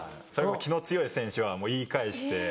気の強い選手はもう言い返して。